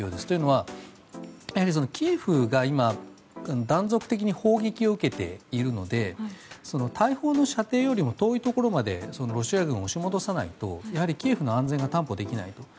というのは、キエフが今断続的に砲撃を受けているので大砲の射程よりも遠いところまでロシア軍を押し戻さないとやはりキエフの安全が担保できない。